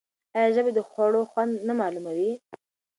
آیا ژبه د خوړو خوند نه معلوموي؟